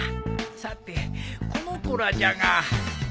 さてこの子らじゃが。